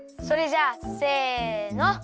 それじゃあせの。